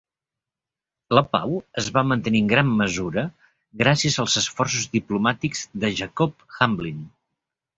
La pau es va mantenir en gran mesura gràcies als esforços diplomàtics de Jacob Hamblin.